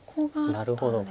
なるほど。